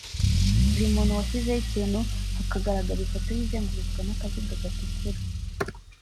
buri muntu washyizeho ikintu hakagaragara ifoto ye izengurutswe n’akaziga gatukura